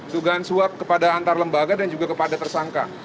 tugaan suap kepada antar lembaga dan juga kepada tersangka